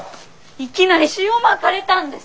いきなり塩まかれたんです！